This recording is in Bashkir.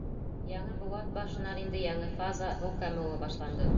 Яңы быуат башынан инде яңы фаза — һыу кәмеүе башланды.